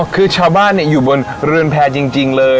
อ๋อคือชาวบ้านเนี่ยอยู่บนเรือนแพรจริงเลย